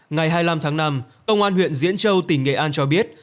ngày hai mươi năm tháng năm công an huyện diễn châu tỉnh nghệ an cho biết